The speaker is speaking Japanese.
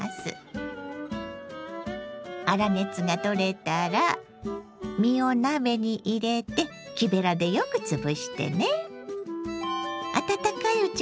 粗熱が取れたら実を鍋に入れて木べらでよくつぶしてね。